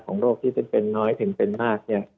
ของโรคที่เป็นเป็นน้อยถึงเป็นมาก